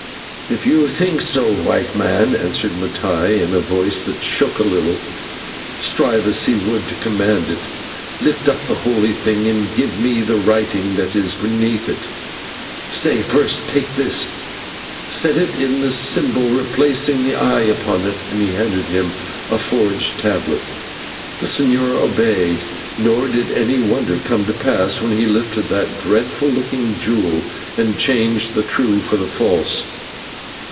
"If you think so, White Man," answered Mattai in a voice that shook a little, strive as he would to command it, "lift up the holy thing and give me the writing that is beneath it. Stay, first take this, set it in the symbol, replacing the eye upon it," and he handed him the forged tablet. The señor obeyed, nor did any wonder come to pass when he lifted that dreadful looking jewel, and changed the true for the false.